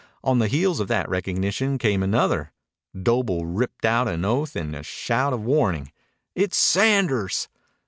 On the heels of that recognition came another. Doble ripped out an oath and a shout of warning. "It's Sanders!"